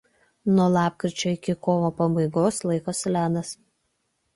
Nuo lapkričio iki kovo pabaigos laikosi ledas.